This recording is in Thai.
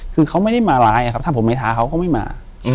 คือเขาไม่ได้มาร้ายครับถ้าผมไม่ท้าเขาก็ไม่มา